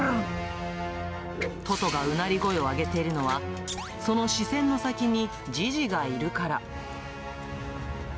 トトがうなり声を上げているのは、その視線の先にジジがいるから。